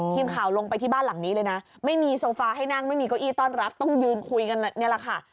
ทีมข่าวลงไปที่บ้านหลังนี้เลยนะไม่มีโซฟาให้นั่งไม่มีเก้าอี้ต้อนรับต้องยืนคุยกันนี่แหละค่ะ